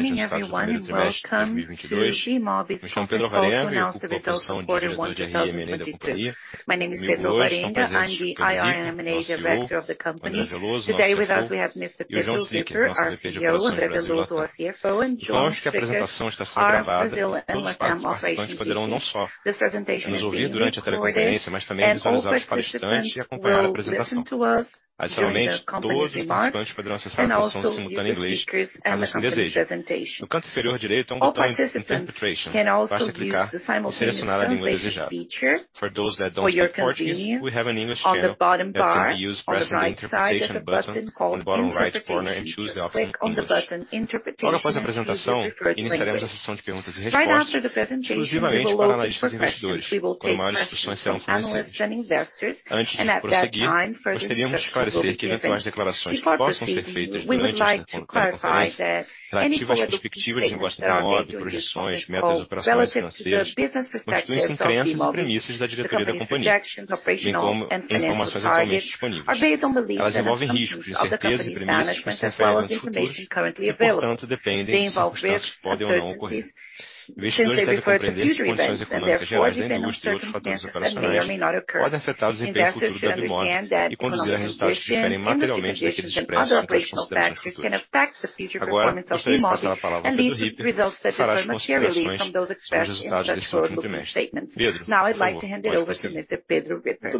Good evening everyone. Welcome to Bemobi's results to announce the results of quarter one 2022. My name is Pedro Barreto, I'm the IR and Management Director of the company. Today with us, we have Mr. Pedro Ripper, our CEO, and André Veloso, our CFO, and João Stricker, our Brazil and Latin Operations CTO. This presentation is being recorded, and all participants will listen to us during the company remarks and also view the speakers and the company presentation. All participants can also use the simultaneous translation feature. For your convenience, on the bottom bar on the right side, there's a button called Interpretation. Click on the button Interpretation and choose your preferred language. Right after the presentation, we will open for questions. We will take questions from analysts and investors, and at that time, further instructions will be given. Before proceeding, we would like to clarify that any forward-looking statements that are made during this conference call relative to the business perspective of Bemobi, specifically projections, operational and financial targets, are based on the beliefs and assumptions of the company's management as well as information currently available. They involve risks, uncertainties, and assumptions as well as future events, and therefore depend on circumstances that may or may not occur. Investors should understand that economic conditions, industry conditions, and other operational factors can affect the future performance of Bemobi and lead to results that differ materially from those expressed in such forward-looking statements. Now I'd like to hand it over to Mr. Pedro Ripper.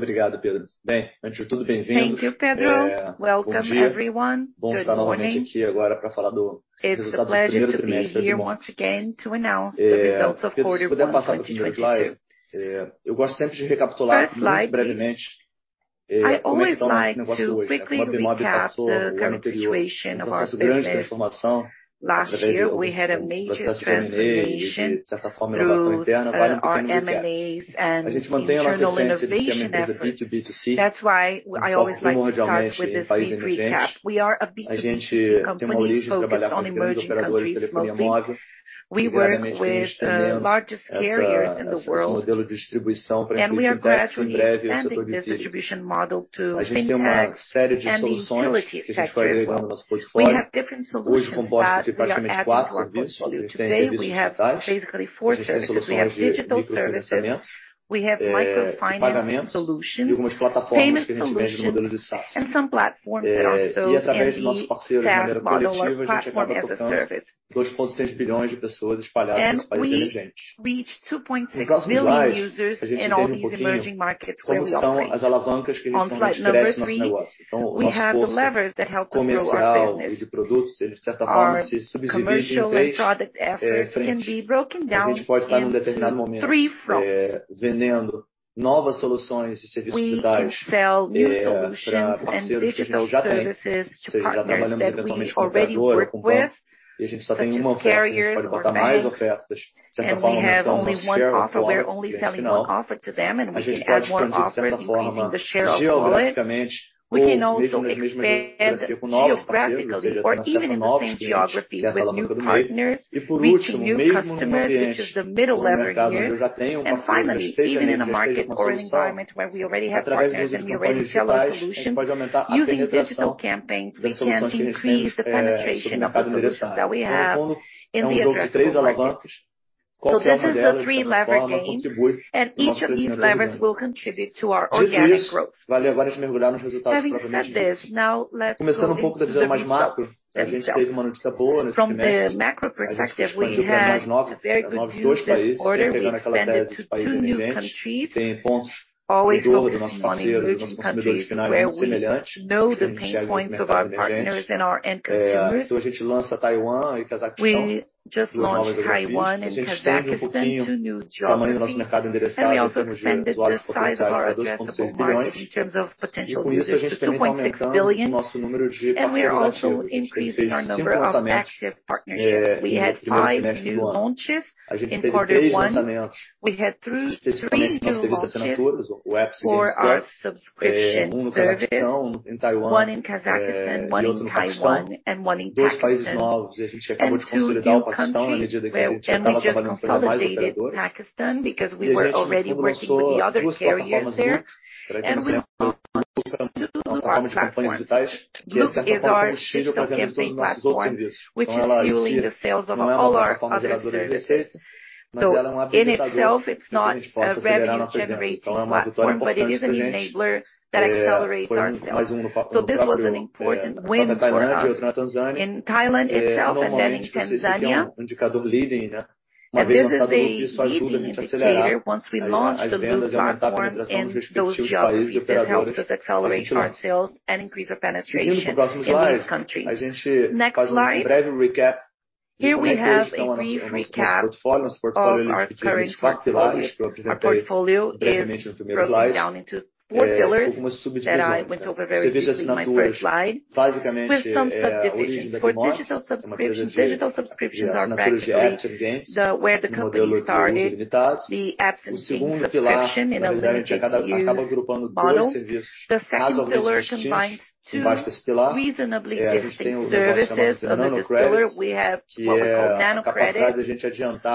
Thank you, Pedro. Welcome, everyone. Good morning. It's a pleasure to be here once again to announce the results of quarter one 2022. First slide, please. I always like to recap the current situation of our business. Last year, we had a major transformation through our M&As and internal innovation effort. That's why I always like to start with this quick recap. We are a B2B2C company focused predominantly in emerging countries. We work with the largest carriers in the world, and we are gradually expanding this distribution model to fintech and the utility sector as well. We have different solutions that we are adding to our portfolio. Today, we have basically four services. We have digital services, we have microfinance solutions, payment solutions, and some platforms that are sold in the SaaS model, or platform as a service. We reach 2.6 billion users in all these emerging markets where we operate. On slide number three, we have the levers that help us grow our business. Our commercial and product efforts can be broken down in three fronts. We can sell new solutions and digital services to partners that we already work with, such as carriers and banks, and we have only one offer. We're only selling one offer to them, and we can add more offers, increasing the share of wallet. We can also expand geographically or even in the same geography with new partners, reaching new customers, which is the middle lever here. Finally, even in a market or environment where we already have partners and we already sell a solution, using digital campaigns, we can increase the penetration of the solutions that we have in the addressed market. Those are the three levers, and each of these levers will contribute to our organic growth. Having said this, now let's look into the results themselves. From the macro perspective, we had very good news this quarter. We expanded to two new countries, always focusing in rich countries where we know the pain points of our partners and our end consumers. We just launched Taiwan and Kazakhstan, two new geographies, and we also expanded the size of our addressable market in terms of potential users to 2.6 billion. We are also increasing our number of active partnerships. We had five new launches in quarter one. We had three new launches for our subscription services, one in Kazakhstan, one in Taiwan, and one in Pakistan. Two new countries, and we just consolidated Pakistan because we were already working with the other carriers there. We launched two new platforms. GLOO is our digital campaign platform, which is fueling the sales of all our other services. In itself, it's not a revenue-generating platform, but it is an enabler that accelerates our sales. This was an important win for us. In Thailand itself and then in Tanzania, and this is a leading indicator. Once we launch the GLOO platform in those geographies, it helps us accelerate our sales and increase our penetration in these countries. Next slide. Here we have a brief recap of our current portfolio. Our portfolio is broken down into four pillars that I went over very briefly in my first slide, with some subdivisions. For digital subscriptions, digital subscriptions are practically where the company started, the absent SIM subscription in a limited SKU model. The second pillar combines two reasonably distinct services. In this pillar, we have what we call Nano Credit,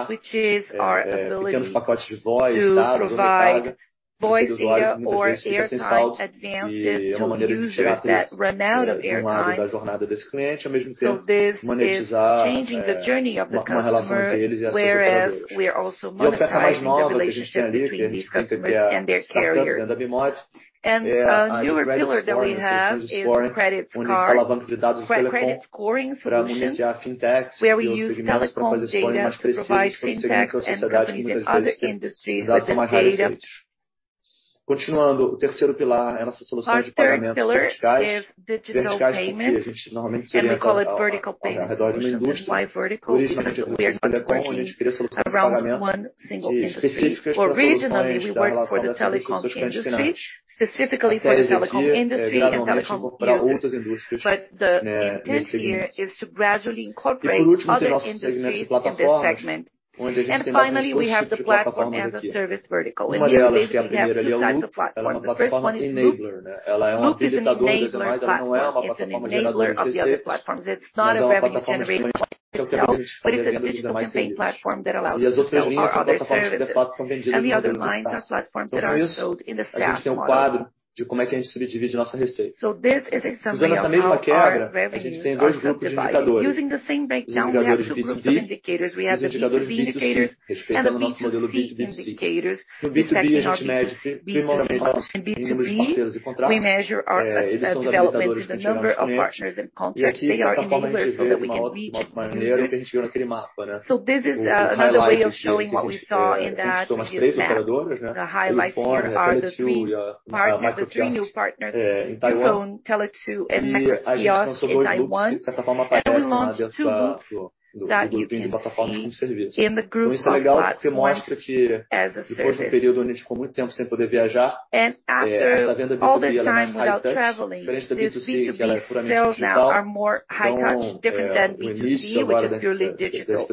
which is our ability to provide small packages of voice, data, or Airtime advances to users that run out of Airtime. This is changing the journey of the customer, whereas we are also monetizing the relationship between these customers and their carriers. A newer pillar that we have is credit scoring solutions, where we use telecom data to provide fintechs and companies in other industries with the data- Our third pillar is digital payments, and we call it vertical payments. Why vertical? Because we are originally- Originally, we worked for the telecom industry, specifically for the telecom industry and telecom users. In this year is to gradually incorporate other industries in this segment. Finally, we have the platform as a service vertical. Here we basically have two types of platforms. The first one is Loop. Loop is an enabler platform. It's an enabler of the other platforms. It's not a revenue generating platform itself, but it's a digital payment platform that allows you to sell other services. The other lines are platforms that are sold in the SaaS model. This is a summary of how our revenues are subdivided. Using the same breakdown, we have two groups of indicators. We have the B2B indicators and the B2C indicators, respecting our B2B and B2C. In B2B, we measure our developments in the number of partners and contracts. They are enablers so that we can reach end users. This is another way of showing what we saw in that previous map. The highlights here are the three partners, the three new partners, Far EasTone, Tele2, and Macrokiosk, in Taiwan. We launched two Loops that you can see in the group of platform as a service. After all this time without traveling, the B2B sales now are more high touch, different than B2C, which is purely digital.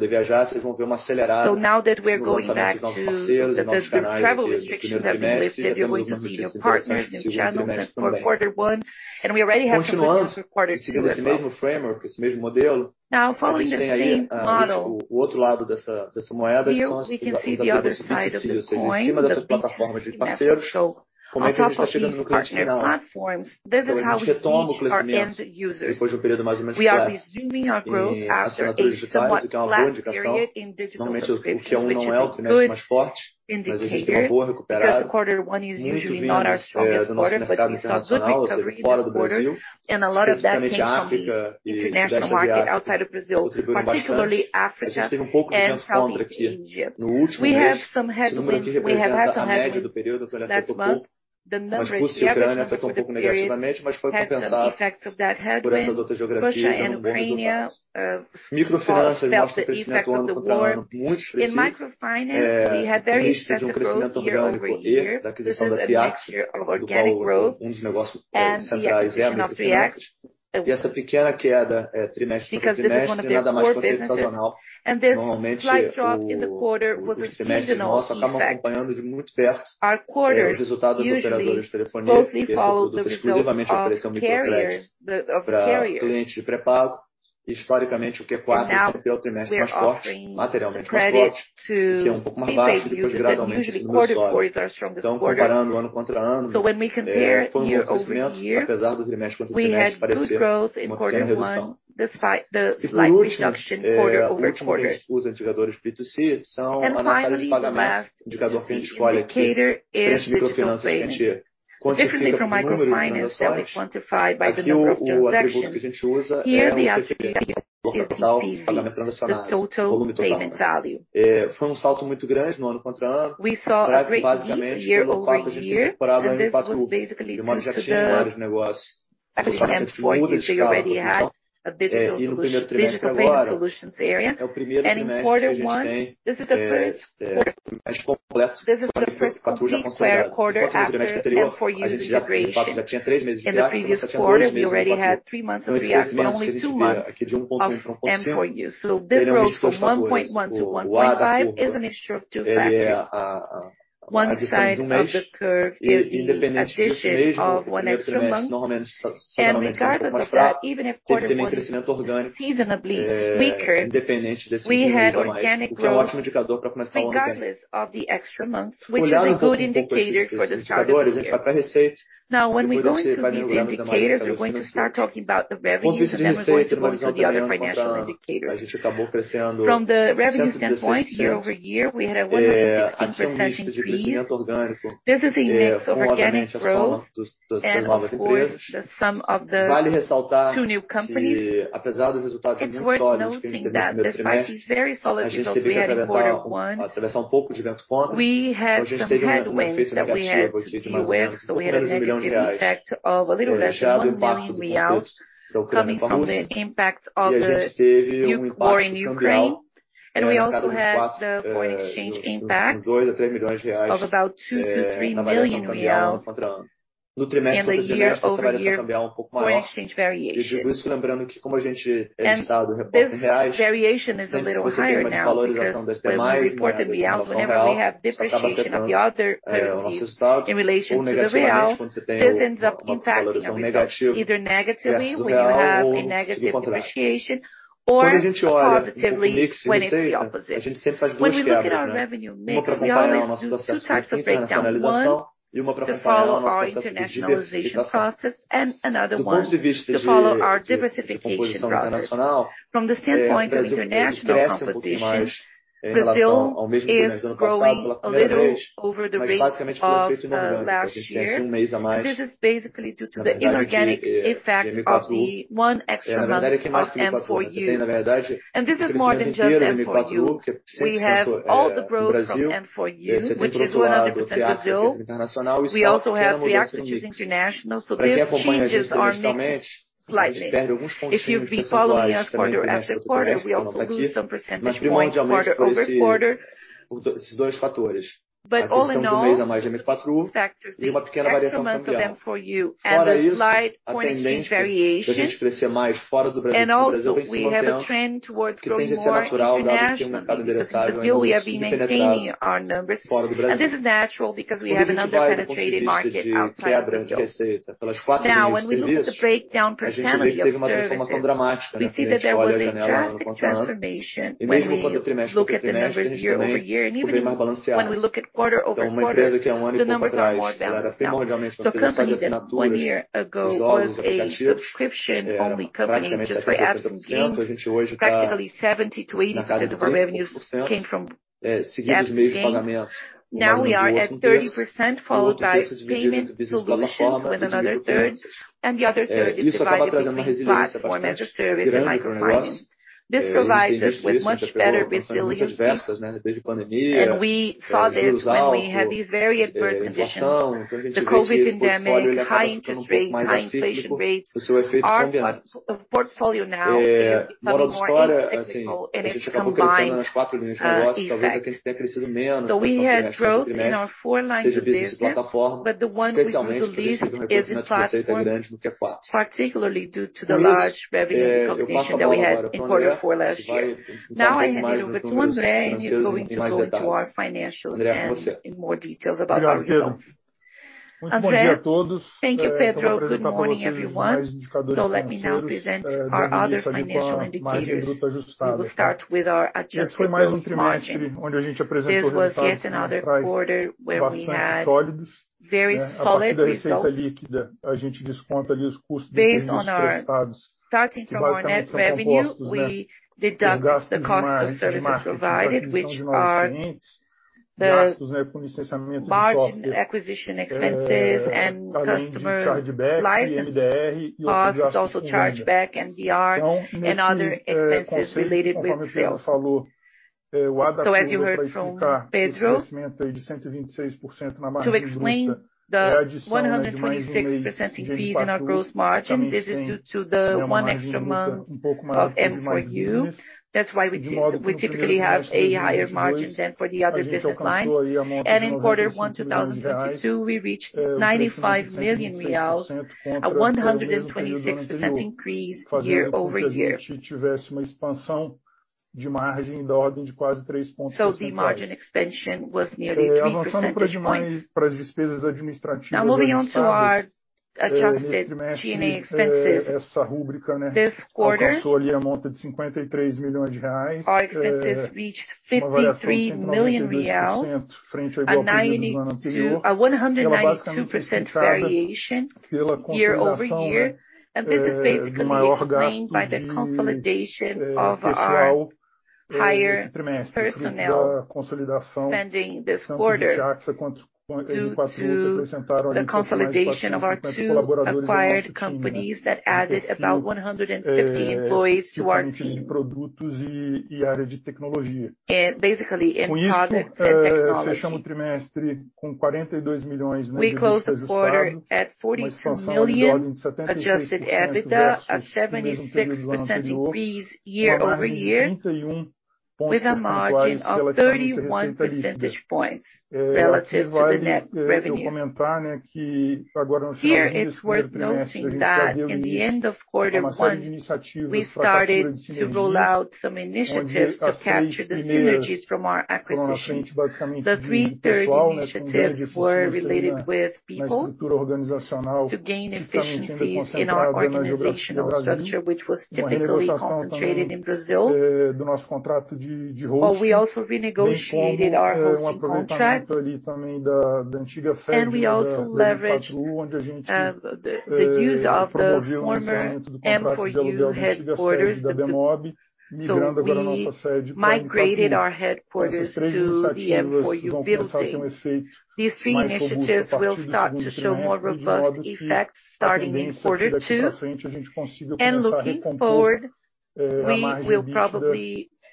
Now travel restrictions have been lifted, you're going to see new partners and channels in quarter one, and we already have some in the first quarter itself. Now following the same model, here we can see the other side of the coin, the B2C network. On top of these partner platforms, this is how we reach our end users. We are resuming our growth after a somewhat flat period in digital subscriptions, which is a good indicator, because the quarter one is usually not our strongest quarter, but we saw a good recovery. A lot of that came from the international market outside of Brazil, particularly Africa and Southeast Asia. We had some headwinds. We had some headwinds that month. The numbers we had before the period had some effects of that headwind. Russia and Ukraine stopped the effects of the war. In microfinance, we had very expressive growth year-over-year. This is the next year of organic growth and the acquisition of Tiaxa. Because this is one of their core businesses, One side of the curve is the addition of an extra month, and regardless of that, even if quarter one is seasonally weaker, we had organic growth regardless of the extra months, which is a good indicator for the start of the year. Now when we go into these indicators, we're going to start talking about the revenues, and then we're going to go to the other financial indicators. From the revenue standpoint, year-over-year, we had a 116% increase. This is a mix of organic growth and, of course, the sum of the two new companies. It's worth noting that despite these very solid numbers we had in quarter one, we had some headwinds that we had to deal with. We had a negative effect of a little less than 1 million reais coming from the impact of the war in Ukraine. We also had the foreign exchange impact of about 2 million- 3 million reais. No trimestre anterior a gente passa através do câmbio um pouco maior. Digo isso lembrando que como a gente é listado em reais, sempre que você tem uma desvalorização do dólar em relação ao real, isso acaba impactando o nosso resultado ou negativamente, quando você tem uma valorização negativa em relação ao real, ou o oposto, o contrário. Quando a gente olha em terms of mix de receita, a gente sempre faz duas quebras, né? Uma pra comparar o nosso processo de internacionalização e uma pra comparar o nosso processo de diversificação. Do ponto de vista de composição internacional, o Brasil cresce um pouquinho mais em relação ao mesmo trimestre do ano passado pela primeira vez, mas basicamente pelo efeito inorgânico. A gente tem aqui um mês a mais, na verdade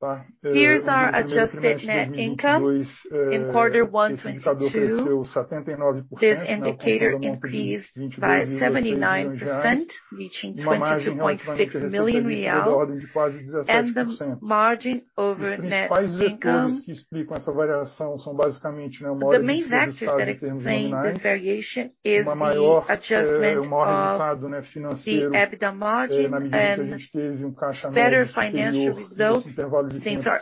aqui, de M4U. Na verdade, é mais que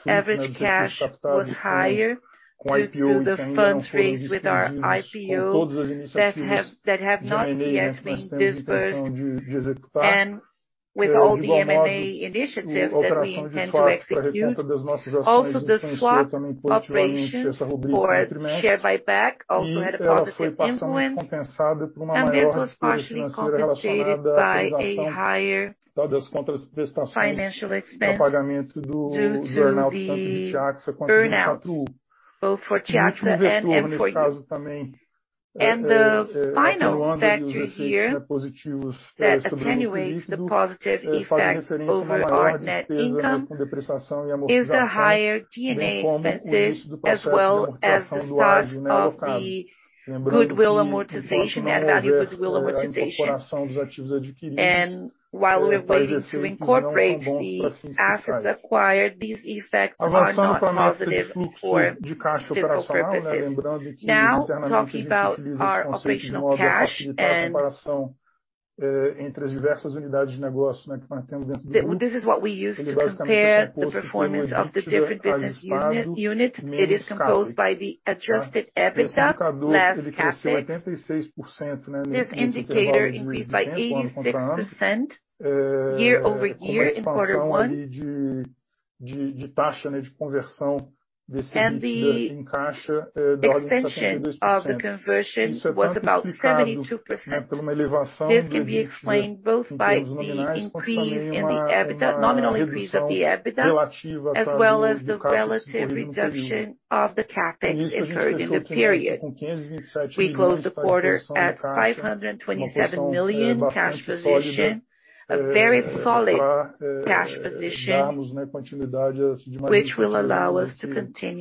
M4U. A gente tem o crescimento inteiro do M4U, que é 100%, no Brasil. Esse é introduzido no Tiaxa, que é internacional, e isso quase que não muda o seu mix. Pra quem acompanha a gente trimestralmente, a gente perde alguns pontinhos percentuais também no trimestre do trimestre, que não tá aqui, mas primordialmente por esses dois fatores. Aqui adquiridos para os efeitos que não são bons para fins fiscais. Avançando pro formato de fluxo de caixa operacional, né. Lembrando que internamente a gente utiliza esse conceito de modo a facilitar a comparação entre as diversas unidades de negócio, né, que nós temos dentro do grupo. Ele basicamente é composto pelo EBITDA ajustado menos Capex, tá. Esse indicador, ele cresceu 86%, né, nesse mesmo intervalo de 2020, ano contábil. Com uma expansão ali de taxa, né, de conversão desse EBITDA em caixa da ordem de 72%. Isso é tanto explicado pela elevação do EBITDA em termos nominais, quanto também uma redução relativa do Capex incorrido no período. Com isso, a gente fechou o trimestre com BRL 527 million, que é a posição de caixa, uma posição bastante sólida, pra darmos, né, continuidade de maneira que a gente temos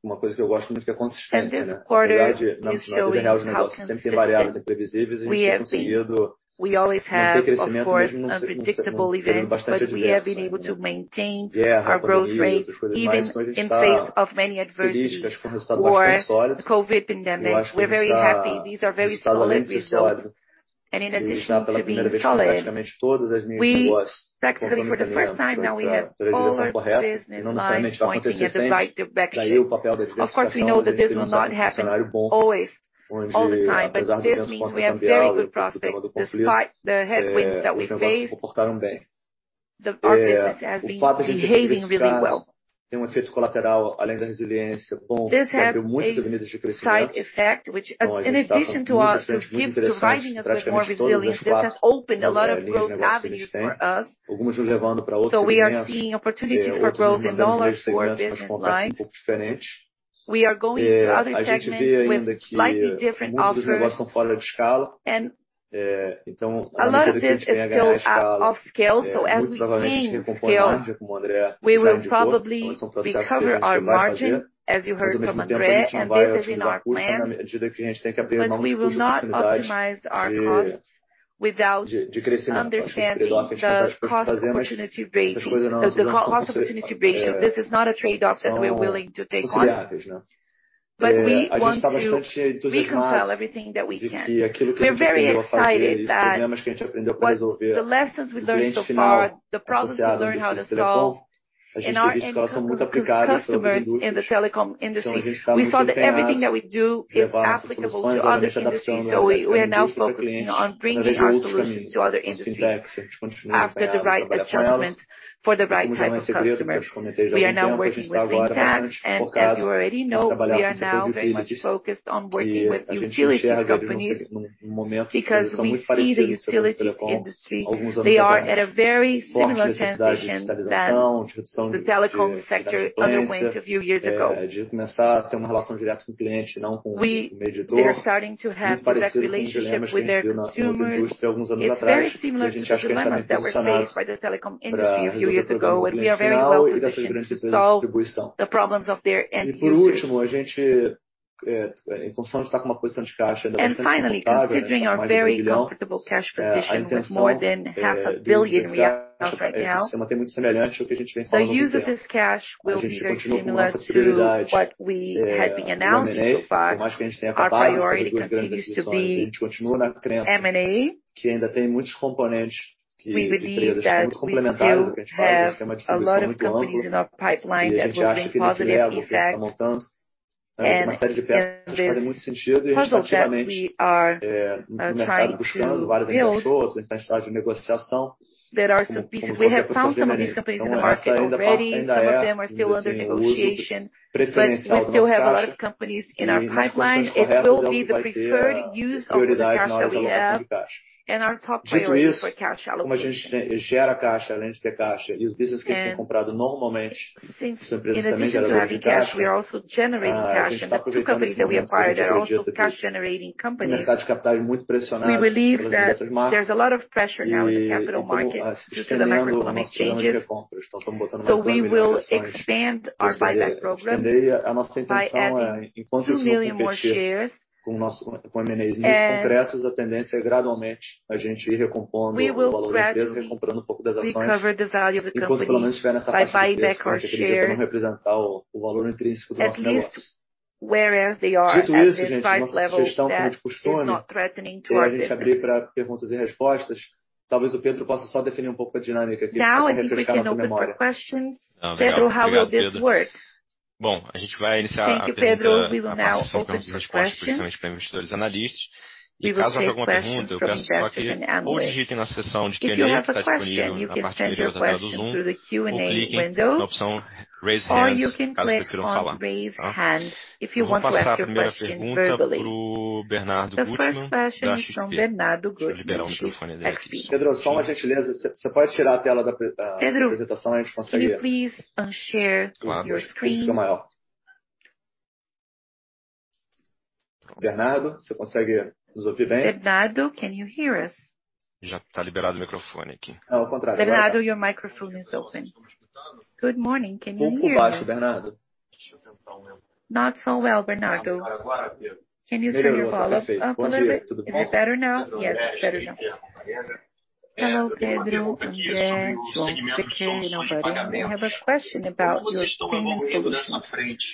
intenção de fazer. Com isso, eu devolvo a palavra pro Pedro, que vai fazer ali suas considerações finais. Muito obrigado a todos. Para encerrarmos, eu acho que tem alguns pontos, né? Esse é o nosso sexto trimestre dominando aqui, desde que a gente abriu capital, e ele de certa forma mostra uma coisa que eu gosto muito, que é consistência, né? Apesar de, no final das contas, o negócio sempre tem variações imprevisíveis, a gente tem conseguido manter crescimento mesmo num cenário vendo bastante adversidade, né? Guerra, pandemia, outras coisas mais. A gente estamos felizes com o resultado bastante sólido, e eu acho que a gente está em um resultado além de sólido, ele está pela primeira vez com praticamente todas as linhas de negócio apontando para direção correta, e não necessariamente vai acontecer sempre. O papel da diversificação, que eu falei que a gente tem num cenário bom, onde apesar dos ventos contrários que a gente teve ao longo do conflito, os negócios se comportaram bem. O fato da gente ter se diversificado tem um efeito colateral, além da resiliência bom, que abriu muitas avenidas de crescimento. A and our top priority for cash allocation. Since in addition to having cash, we are also generating cash. The two companies that we acquired are also cash generating companies. We believe that there's a lot of pressure now in the capital market due to the macroeconomic changes. We will expand our buyback program by adding 2 million more shares. We will gradually recover the value of the company by buying back our shares, at least while they are at this price level that is not threatening to our business. Now I think we can open for questions. Pedro, how will this work? Thank you, Pedro. We will now open for questions. We will take questions from investors and analysts. If you have a question, you can send your question through the Q&A window, or you can click on Raise Hand if you want to ask your question verbally. The first question is from Bernardo Guttmann from XP. Pedro, can you please unshare your screen? Bernardo, can you hear us? Bernardo, your microphone is open. Good morning. Can you hear me? Not so well, Bernardo. Can you turn your volume up a little bit? Is it better now? Yes, better now. Hello, Pedro and André. Jean-Pierre and Alberto. We have a question about your payment solutions.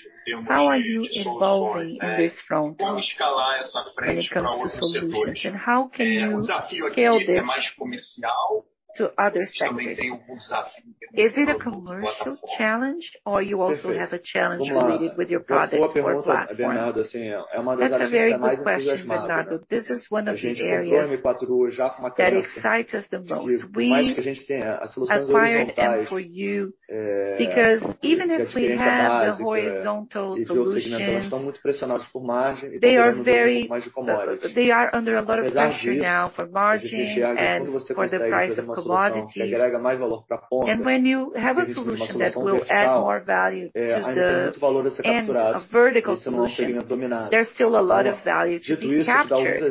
How are you evolving in this front when it comes to solutions, and how can you scale this to other sectors? Is it a commercial challenge or you also have a challenge related with your product or platform? That's a very good question, Bernardo. This is one of the areas that excites us the most. We've acquired M4U because even if we have the horizontal solutions, they are under a lot of pressure now for margin and for the price of commodities. When you have a solution that will add more value and a vertical solution, there's still a lot of value to be captured.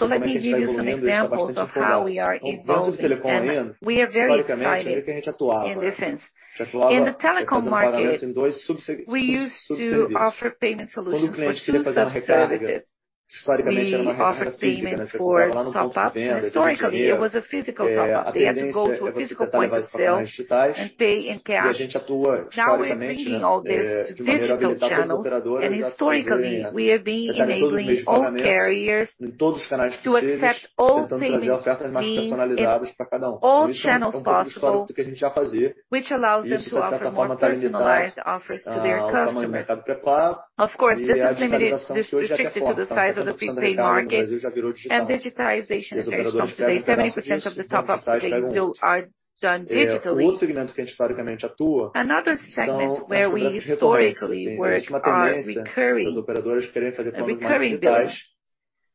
Let me give you some examples of how we are evolving, and we are very excited in this sense. In the telecom market, we used to offer payment solutions for two sub-services. We offered payments for top-ups. Historically, it was a physical top-up. They had to go to a physical point of sale and pay in cash. Now we're bringing all this to digital channels, and historically, we have been enabling all carriers to accept all payments made in all channels possible, which allows them to offer more personalized offers to their customers. Of course, this is limited, restricted to the size of the prepaid market. Digitization, it's fair to say, 70% of top-ups today are done digitally. Another segment where we historically work are recurring bills.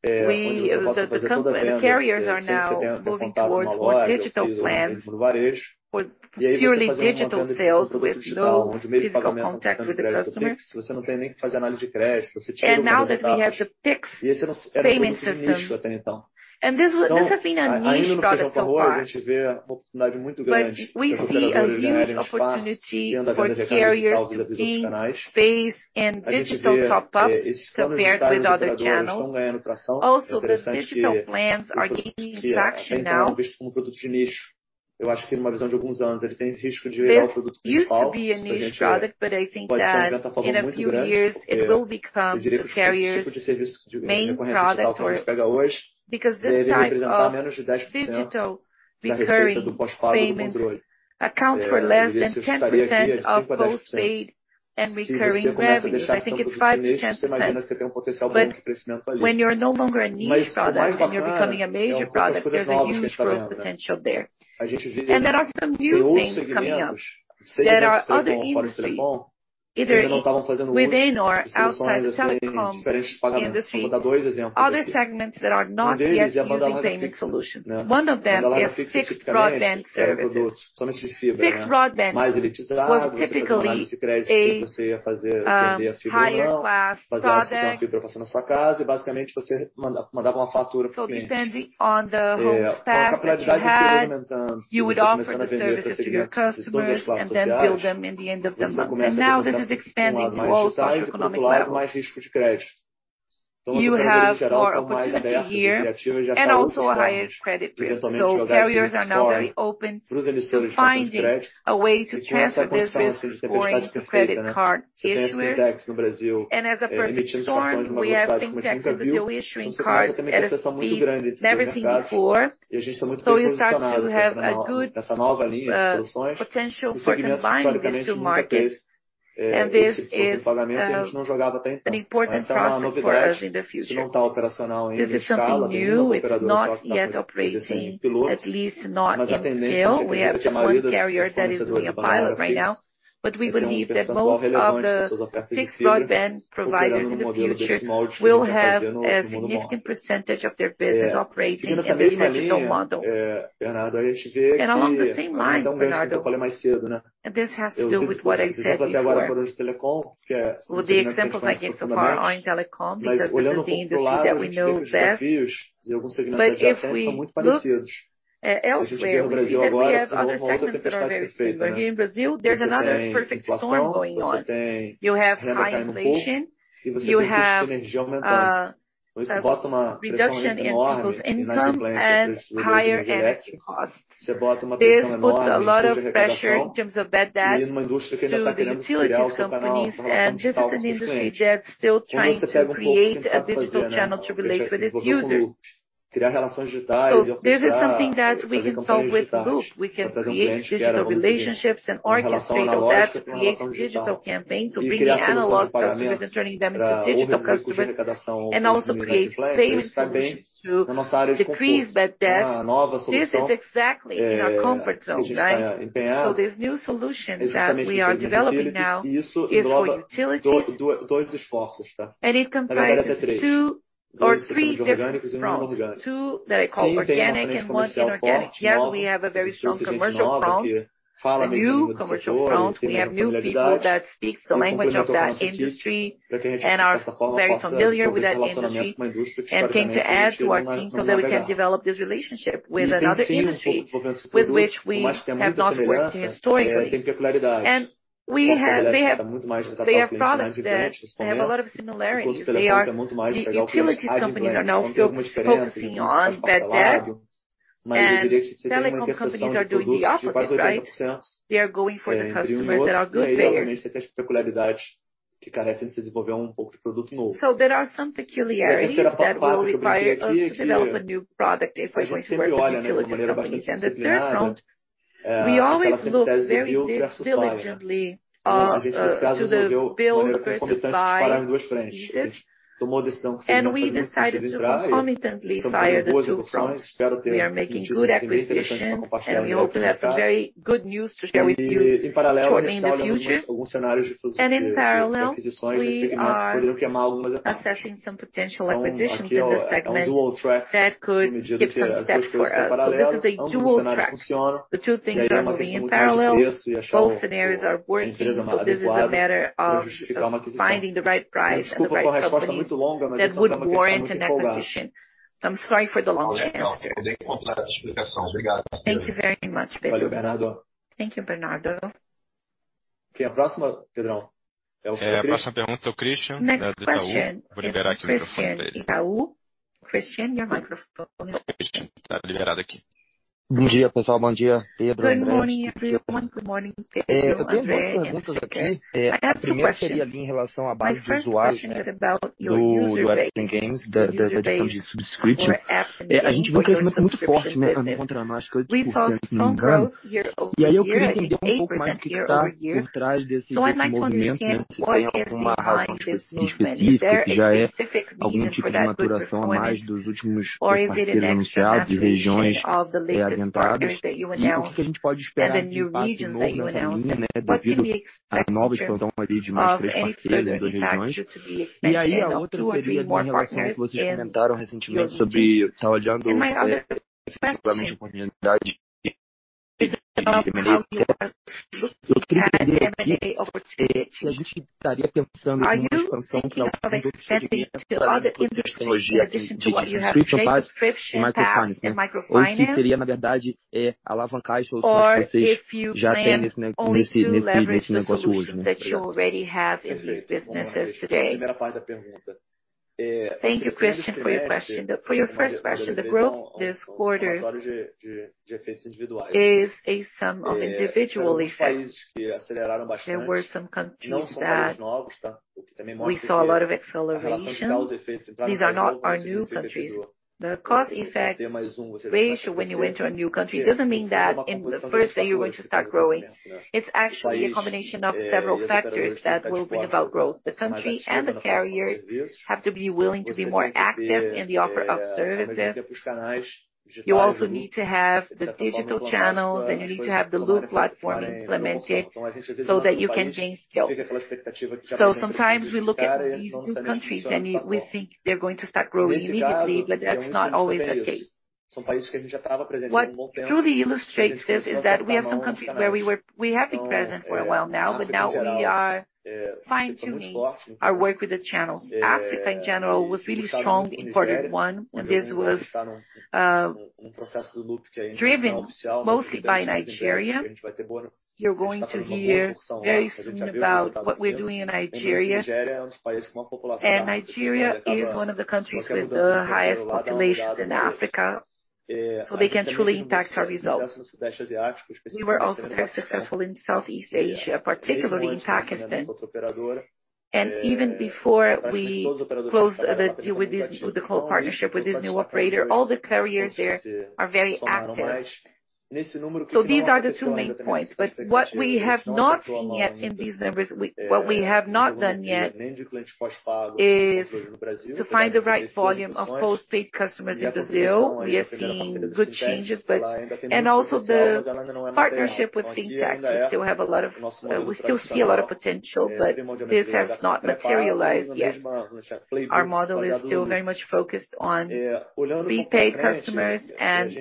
The carriers are now moving towards more digital plans with purely digital sales, with no physical contact with the customer. Now that we have the Pix payment system, this has been a niche product so far. We see a huge opportunity for carriers in space and digital top-ups compared with other channels. Also, these digital plans are gaining traction now. This used to be a niche product, but I think that in a few years it will become the carrier's main product. Because this type of digital recurring payments account for less than 10% of post-paid and recurring revenues. I think it's 5%-10%. When you're no longer a niche product and you're becoming a major product, there's a huge growth potential there. There are some new things coming up that are other industries, either within or outside telecom industry. Other segments that are not yet using payment solutions. One of them is fixed broadband services. Fixed broadband was typically a higher class product. Depending on the whole package you had, you would offer the service to your customers and then bill them in the end of the month. Now this is expanding to all socioeconomic levels. You have more opportunities here and also a higher credit risk. Carriers are now very open to finding a way to transfer this risk to credit card issuers. As a perfect storm, we have seen Pix as the issuing card at a speed never seen before. You start to have a good potential for combining these two markets. This is an important prospect for us in the future. This is something new. It's not yet operating, at least not in scale. We have just one carrier that's doing a pilot right now, but we believe that most of the fixed broadband providers in the future will have a significant percentage of their business operating in this regional model. Along the same lines, Bernardo, and this has to do with what I said before. Well, the examples I gave so far are in telecom because this is the industry that we know best. If we look elsewhere, we see that we have other sectors that are very similar. Here in Brazil, there's another perfect storm going on. You have high inflation, you have a reduction in people's income and higher energy costs. This puts a lot of pressure in terms of bad debt to the utilities companies. This is an industry that's still trying to create a digital channel to relate with its users. This is something that we can solve with Loop. We can create digital relationships and orchestrate that to create digital campaigns, so bringing analog customers and turning them into digital customers, and also create payment solutions to decrease bad debt. This is exactly in our comfort zone, right? This new solution that we are developing now is for utilities, and it comprises two or three different fronts. Two that I call organic and one inorganic. Yes, we have a very strong commercial front, a new commercial front. We have new people that speaks the language of that industry and are very familiar with that industry, and came to add to our team so that we can develop this relationship with another industry with which we have not worked historically. They have products that have a lot of similarities. Utility companies are now focusing on bad debt, and telecom companies are doing the opposite, right? They are going for the customers that are good payers. There are some peculiarities that will require us to develop a new product if we're going to work with utilities companies. The third front, we always look very, very diligently to the build versus buy thesis. We decided to concomitantly fire the two fronts. We are making good acquisitions, and we hope to have some very good news to share with you shortly in the future. In parallel, we are assessing some potential acquisitions in the segment that could give some steps for us. This is a dual track. The two things are moving in parallel. Both scenarios are working. This is a matter of finding the right price and the right company that would warrant an acquisition. I'm sorry for the long answer. Thank you very much, Pedro. Thank you, Bernardo. Okay. A próxima, Pedrão, é o Christian? A próxima pergunta é o Christian, lá do Itaú. Vou liberar aqui o microfone dele. Christian, your microphone is. Tá liberado aqui. Bom dia, pessoal. Bom dia, Pedro e Bernardo. Good morning, everyone. Good morning, Pedro, Andre and Christian. Eu tenho duas perguntas aqui. A primeira seria ali em relação à base de usuários do Apps e Games, da base de subscription. A gente viu um crescimento muito forte, né, ano a ano, acho que 8%, se não me engano. Aí eu queria entender um pouco mais o que que tá por trás desse movimento, né. Se tem alguma razão específica, se já é algum tipo de maturação a mais dos últimos parceiros anunciados e regiões já atendidas. O que que a gente pode esperar de impacto no longo prazo ainda, né, devido à nova expansão ali de mais três parceiros em duas regiões. Aí a outra seria ali em relação ao que vocês comentaram recentemente sobre, tava olhando principalmente a oportunidade. Eu queria entender aqui se a gente estaria pensando em uma expansão que envolvesse outros segmentos além dos de tecnologia, de subscription base e microfinance, né? Ou se seria, na verdade, alavancar só o que vocês já têm nesse negócio hoje, né? Obrigado. Thank you, Christian, for your question. For your first question, the growth this quarter is a sum of individual effects. There were some countries that we saw a lot of acceleration. These are not our new countries. The cause-effect ratio when you enter a new country doesn't mean that in the first day you're going to start growing. It's actually a combination of several factors that will bring about growth. The country and the carriers have to be willing to be more active in the offer of services. You also need to have the digital channels, and you need to have the Loop platform implemented so that you can gain scale. Sometimes we look at these new countries and we think they're going to start growing immediately, but that's not always the case. What truly illustrates this is that we have some countries where we have been present for a while now, but now we are fine-tuning our work with the channels. Africa in general was really strong in quarter one, and this was driven mostly by Nigeria. You're going to hear very soon about what we're doing in Nigeria. Nigeria is one of the countries with the highest populations in Africa, so they can truly impact our results. We were also quite successful in Southeast Asia, particularly in Pakistan. Even before we closed the deal with the whole partnership with this new operator, all the carriers there are very active. These are the two main points. What we have not seen yet in these numbers, what we have not done yet is to find the right volume of postpaid customers in Brazil. We are seeing good changes. Also the partnership with fintechs, we still see a lot of potential, but this has not materialized yet. Our model is still very much focused on prepaid customers and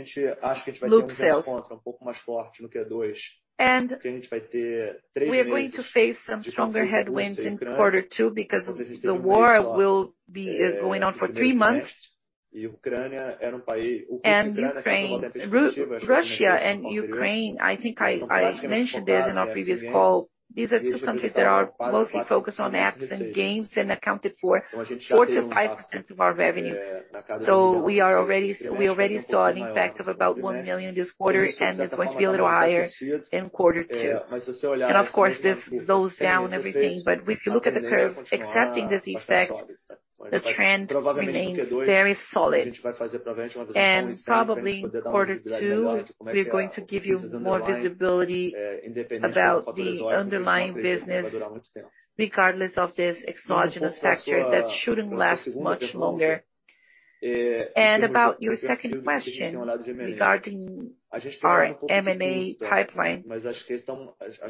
Loop sales. We are going to face some stronger headwinds in quarter two because the war will be going on for three months. Russia and Ukraine, I think I mentioned this in our previous call. These are two countries that are mostly focused on apps and games and accounted for 4%-5% of our revenue. We already saw an impact of about 1 million this quarter, and it's going to be a little higher in quarter two. Of course, this goes down. If you look at the curve, excepting this effect, the trend remains very solid. Probably in quarter two, we're going to give you more visibility about the underlying business regardless of this exogenous factor that shouldn't last much longer. About your second question regarding our M&A pipeline.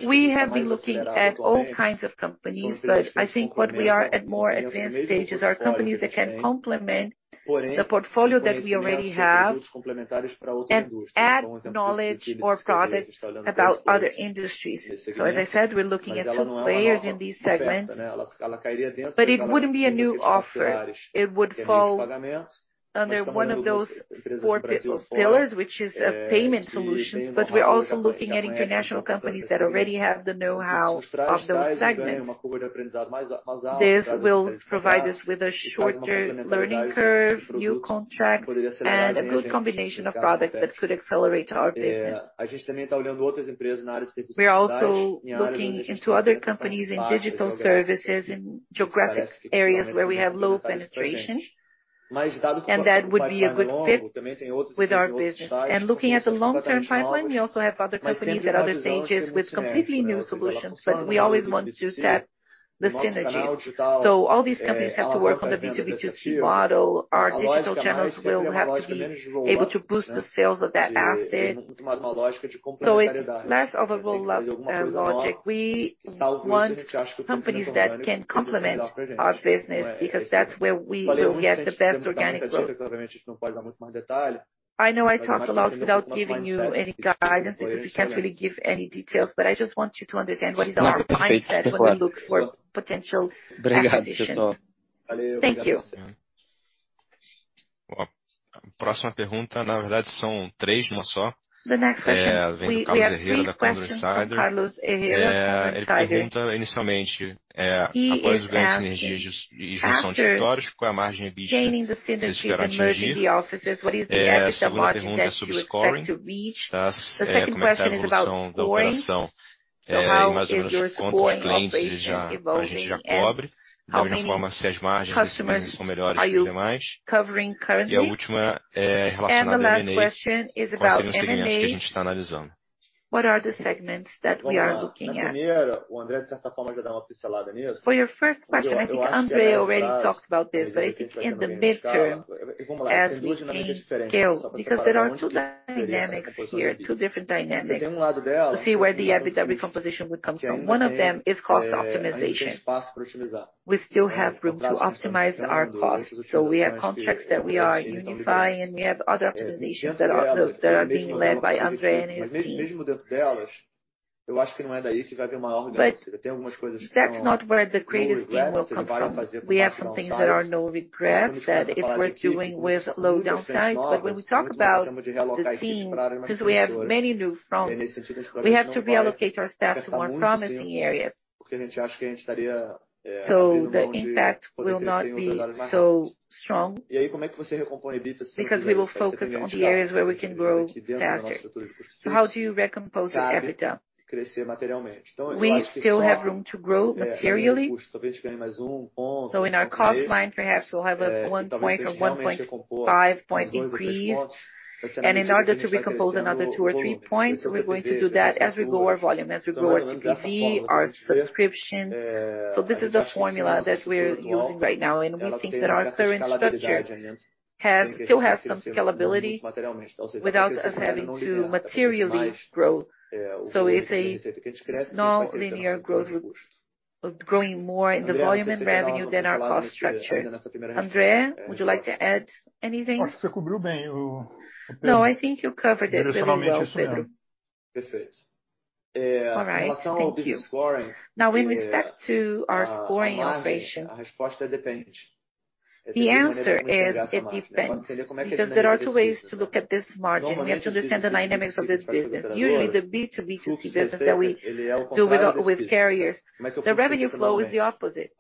We have been looking at all kinds of companies, but I think what we are at more advanced stages are companies that can complement the portfolio that we already have and add knowledge or products about other industries. As I said, we're looking at two players in this segment, but it wouldn't be a new offer. It would fall under one of those four pillars, which is payment solutions. We're also looking at international companies that already have the know-how of those segments. This will provide us with a shorter learning curve, new contracts, and a good combination of products that could accelerate our business. We are also looking into other companies in digital services, in geographic areas where we have low penetration, and that would be a good fit with our business. Looking at the long-term pipeline, we also have other companies at other stages with completely new solutions. We always want to set the synergy. All these companies have to work on the B2B2C model. Our digital channels will have to be able to boost the sales of that asset. It's less of a roll-up logic. We want companies that can complement our business because that's where we will get the best organic growth. I know I talked a lot without giving you any guidance because we can't really give any details, but I just want you to understand what is our mindset when we look for potential acquisitions. Thank you. The next question, we have three questions from Carlos Herrera from Bank of America. He is asking, after gaining the synergies and merging the offices, what is the EBITDA margin that you expect to reach? The second question is about scoring. How is your scoring operation evolving, and how many customers are you covering currently? The last question is about M&A. What are the segments that we are looking at? For your first question, I think Andre already talked about this, but I think in the midterm as we gain scale, because there are two dynamics here, two different dynamics, to see where the EBITDA recomposition will come from. One of them is cost optimization. We still have room to optimize our costs. We have contracts that we are unifying, and we have other optimizations that are being led by Andre and his team. That's not where the greatest gain will come from. We have some things that are no regrets, that is worth doing with low downsides. When we talk about the team, since we have many new fronts, we have to reallocate our staff to more promising areas. The impact will not be so strong because we will focus on the areas where we can grow faster. How do you recompose the EBITDA? We still have room to grow materially. In our cost line, perhaps we'll have a one or one point five point increase. In order to recompose another two or three points, we're going to do that as we grow our volume, as we grow our TPV, our subscriptions. This is the formula that we're using right now, and we think that our current structure has some scalability without us having to materially grow. It's a non-linear growth of growing more in the volume and revenue than our cost structure. Andre, would you like to add anything? I think you covered well. No, I think you covered it really well, Pedro. All right. Thank you. Now in respect to our scoring operation, the answer is it depends, because there are two ways to look at this margin. We have to understand the dynamics of this business. Usually, the B2B2C business that we do with carriers, the revenue flow is the opposite.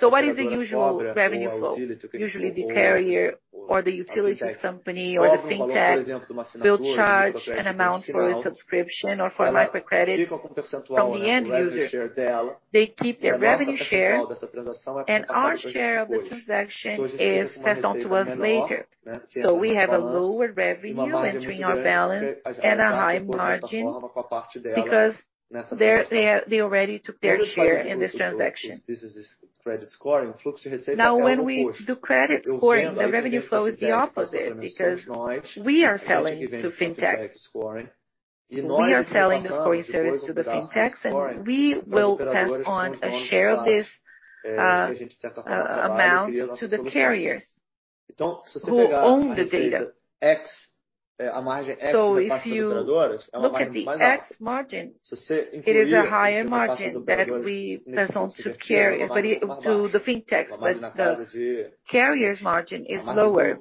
What is the usual revenue flow? Usually the carrier or the utility company or the fintech will charge an amount for a subscription or for microcredit from the end user. They keep their revenue share, and our share of the transaction is passed on to us later. We have a lower revenue entering our balance and a high margin because they already took their share in this transaction. Now, when we do credit scoring, the revenue flow is the opposite because we are selling to fintechs. We are selling the scoring service to the fintechs, and we will pass on a share of this amount to the carriers who own the data. If you look at the EBITDA margin, it is a higher margin to the fintechs. The carrier's margin is lower.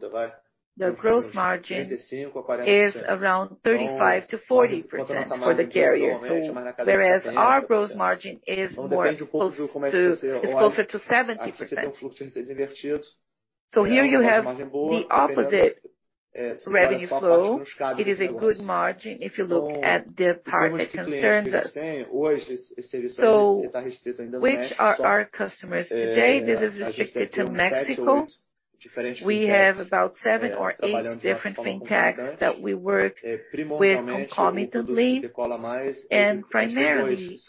The gross margin is around 35%-40% for the carriers, so whereas our gross margin is closer to 70%. Here you have the opposite revenue flow. It is a good margin if you look at the part that concerns us. Which are our customers today? This is restricted to Mexico. We have about seven or eight different fintechs that we work with concomitantly. Primarily,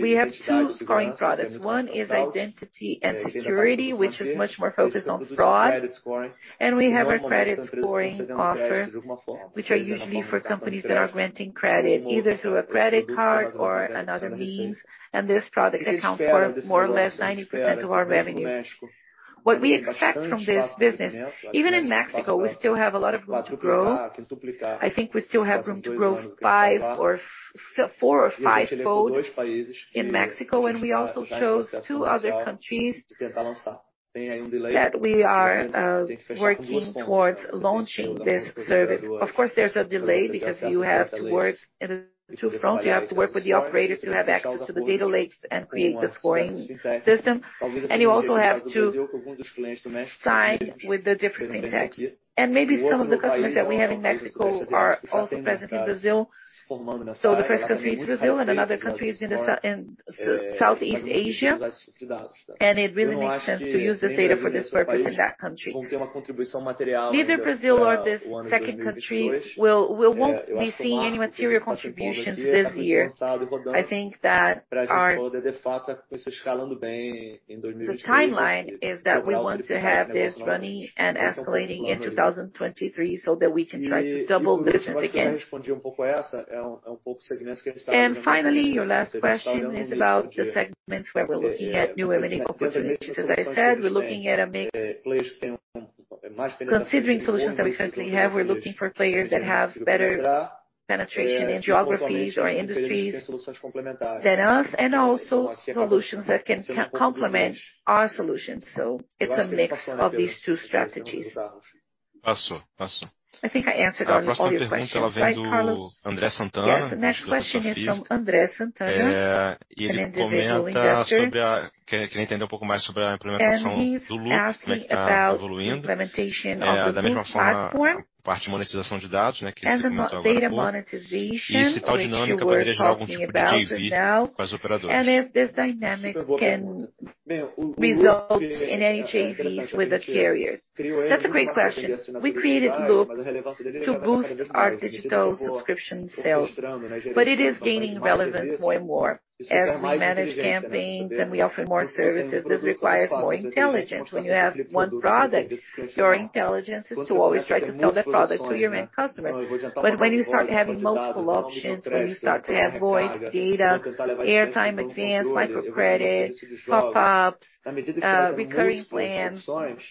we have two scoring products. One is identity and security, which is much more focused on fraud. We have our credit scoring offer, which are usually for companies that are granting credit, either through a credit card or another means. This product accounts for more or less 90% of our revenue. What we expect from this business, even in Mexico, we still have a lot of room to grow. I think we still have room to grow four or five fold in Mexico, and we also chose two other countries that we are working towards launching this service. Of course, there's a delay because you have to work in the two fronts. You have to work with the operators to have access to the data lakes and create the scoring system. You also have to sign with the different fintechs. Maybe some of the customers that we have in Mexico are also present in Brazil. The first country is Brazil, and another country is in Southeast Asia. It really makes sense to use this service for this purpose in that country. Neither Brazil nor this second country, we won't be seeing any material contributions this year. I think that our timeline is that we want to have this running and escalating in 2023 so that we can try to double business again. Finally, your last question is about the segments where we're looking at new M&A opportunities. As I said, we're looking at a mix. Considering solutions that we currently have, we're looking for players that have better penetration in geographies or industries than us, and also solutions that can complement our solutions. It's a mix of these two strategies. I think I answered all your questions, right, Carlos? Yes. Yes. The next question is from Andre Santana, an individual investor. He's asking about the implementation of the Loop platform and the data monetization, which you were talking about just now, and if this dynamic can result in any JVs with the carriers. That's a great question. We created Loop to boost our digital subscription sales, but it is gaining relevance more and more. As we manage campaigns and we offer more services, this requires more intelligence. When you have one product, your intelligence is to always try to sell that product to your end customers. When you start having multiple options, when you start to have voice, data, airtime advance, microcredit, pop-ups, recurring plans,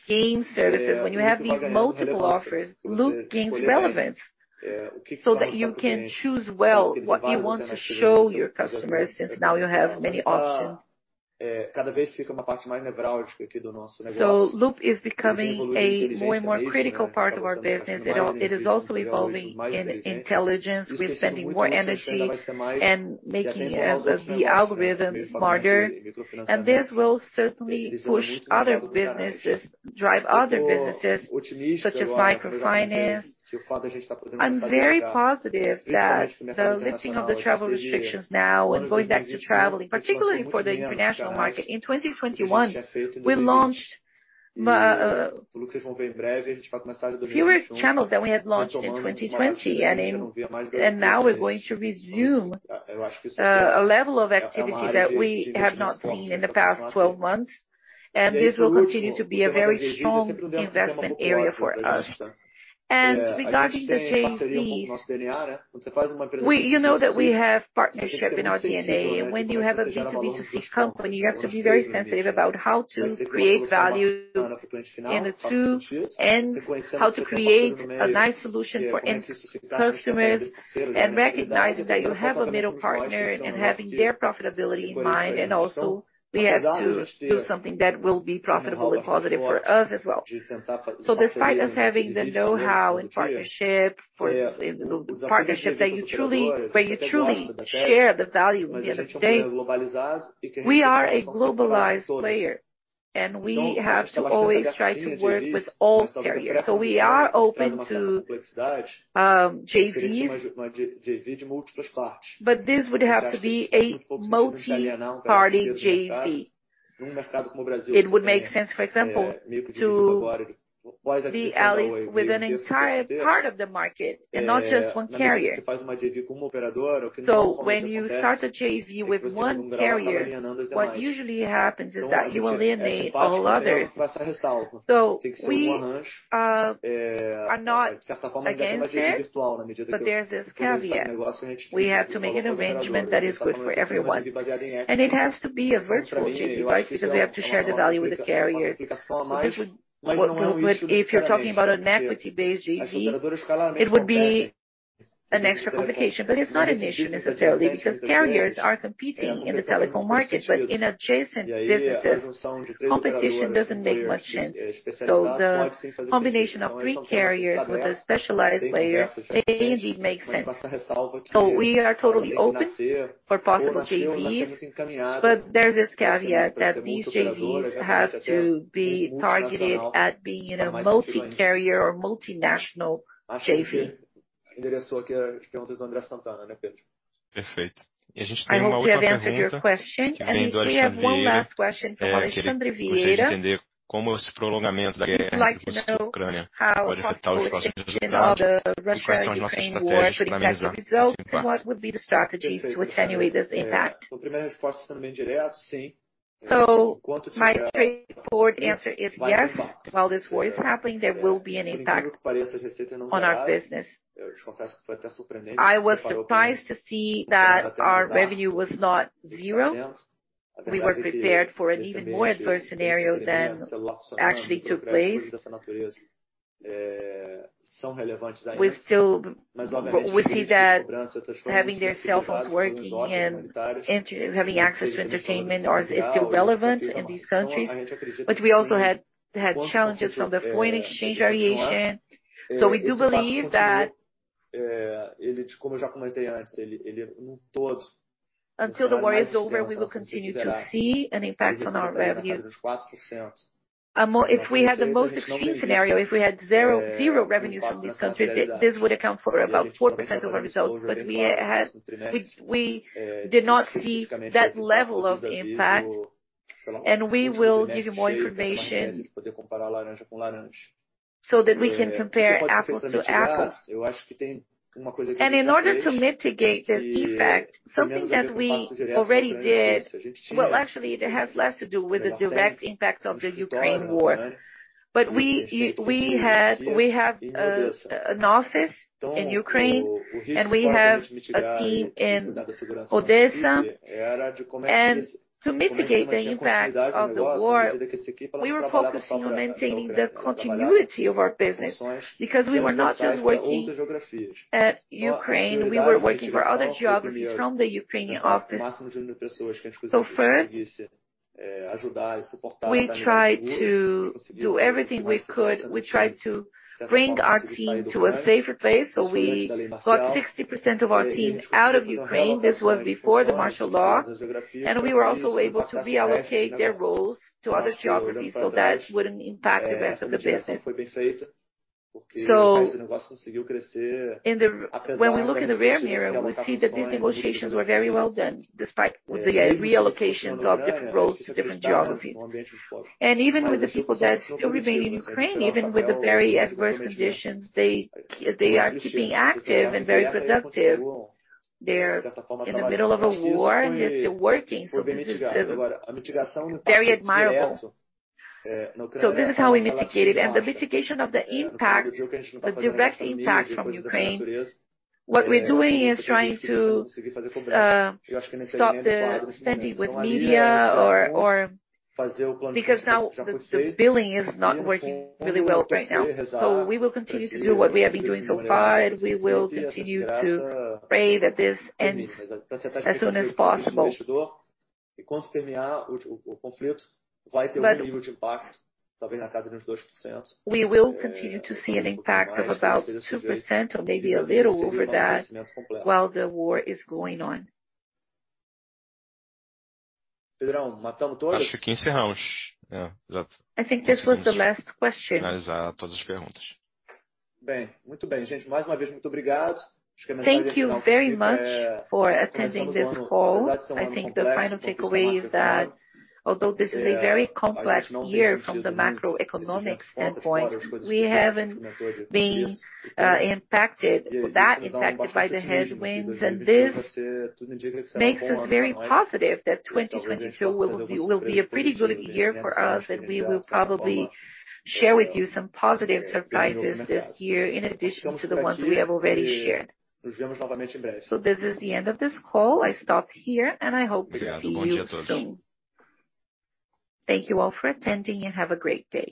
game services. When you have these multiple offers, Loop gains relevance, so that you can choose well what you want to show your customers, since now you have many options. Loop is becoming a more and more critical part of our business. It is also evolving in intelligence. We're spending more energy and making the algorithms smarter. This will certainly push other businesses, drive other businesses, such as microfinance. I'm very positive that the lifting of the travel restrictions now and going back to traveling, particularly for the international market. In 2021, we launched fewer channels than we had launched in 2020. Now we're going to resume a level of activity that we have not seen in the past 12 months. This will continue to be a very strong investment area for us. Regarding the JVs, you know that we have partnership in our DNA. When you have a B2B2C company, you have to be very sensitive about how to create value in the two, and how to create a nice solution for end consumers, and recognizing that you have a middle partner and having their profitability in mind. Also we have to do something that will be profitable and positive for us as well. Despite us having the know-how and partnership in the partnership where you truly share the value at the end of the day, we are a globalized player, and we have to always try to work with all carriers. We are open to JVs, but this would have to be a multi-party JV. It would make sense, for example, to be allies with an entire part of the market and not just one carrier. When you start a JV with one carrier, what usually happens is that you alienate all others. We are not against it, but there's this caveat. We have to make an arrangement that is good for everyone. It has to be a virtual JV, right? Because we have to share the value with the carriers. This would work. But if you're talking about an equity-based JV, it would be an extra complication. It's not an issue necessarily because carriers are competing in the telecom market. In adjacent businesses, competition doesn't make much sense. The combination of three carriers with a specialized player may indeed make sense. We are totally open for possible JVs, but there's this caveat that these JVs have to be targeted at being a multi-carrier or multinational JV. I hope we have answered your question. We have one last question from Alexandre Vieira. He would like to know how possible it is in all the Russia-Ukraine war could affect the results and what would be the strategies to attenuate this impact. My straightforward answer is yes. While this war is happening, there will be an impact on our business. I was surprised to see that our revenue was not zero. We were prepared for an even more adverse scenario than actually took place. We see that having their cell phones working and having access to entertainment is still relevant in these countries. But we also had challenges from the foreign exchange variation. We do believe that until the war is over, we will continue to see an impact on our revenues. If we had the most extreme scenario, if we had zero revenues from these countries, this would account for about 4% of our results. We did not see that level of impact, and we will give you more information so that we can compare apples to apples. In order to mitigate this effect, something that we already did. Well, actually, it has less to do with the direct impact of the Ukraine war. We have an office in Ukraine, and we have a team in Odessa. To mitigate the impact of the war, we were focusing on maintaining the continuity of our business because we were not just working in Ukraine, we were working for other geographies from the Ukrainian office. First, we tried to do everything we could. We tried to bring our team to a safer place. We got 60% of our team out of Ukraine. This was before the martial law, and we were also able to reallocate their roles to other geographies so that it wouldn't impact the rest of the business. When we look in the rearview mirror, we see that these negotiations were very well done despite the reallocations of different roles to different geographies. Even with the people that still remain in Ukraine, even with the very adverse conditions, they are keeping active and very productive. They're in the middle of a war, and they're still working. This is very admirable. This is how we mitigate it. The mitigation of the impact, the direct impact from Ukraine, what we're doing is trying to stop the spending with media. Because now the billing is not working really well right now. We will continue to do what we have been doing so far, and we will continue to pray that this ends as soon as possible. We will continue to see an impact of about 2% or maybe a little over that while the war is going on. I think this was the last question. Thank you very much for attending this call. I think the final takeaway is that although this is a very complex year from the macroeconomic standpoint, we haven't been impacted by the headwinds. This makes us very positive that 2022 will be a pretty good year for us, and we will probably share with you some positive surprises this year in addition to the ones we have already shared. This is the end of this call. I stop here, and I hope to see you soon. Thank you all for attending, and have a great day.